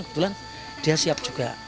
kebetulan dia siap juga